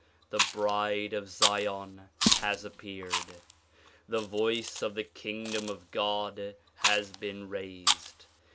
The bride of Zion has appeared. The voice of the kingdom of God has been raised.